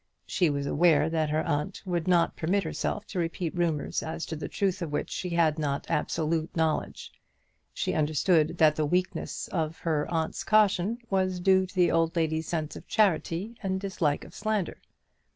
She was aware that her aunt would not permit herself to repeat rumours as to the truth of which she had no absolute knowledge. She understood that the weakness of her aunt's caution was due to the old lady's sense of charity and dislike of slander.